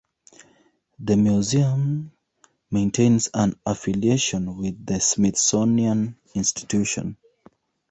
The Museum maintains an affiliation with the Smithsonian Institution.